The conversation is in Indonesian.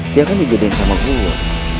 dia kan juga ada yang sama gua